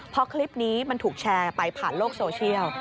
พอคลิปนี้มันถูกแชร์ไปผ่านโลกโซเชียล